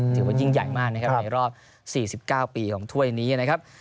ถือว่ายิ่งใหญ่มากนะครับในรอบ๔๙ปีของถ้วยนี้นะครับ